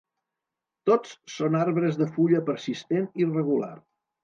Tots són arbres de fulla persistent i regular.